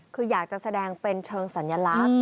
คืออยากจะแสดงเป็นเชิงสัญลักษณ์